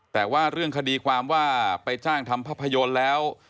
แต่ว่าเรื่องคดีความว่าไปจ้างทำภาพยนตร์แล้ว